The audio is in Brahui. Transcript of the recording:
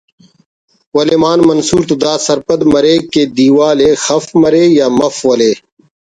ولے مان منصور تو دا سرپند مریک کہ دیوال ءِ خف مرے یا مف ولے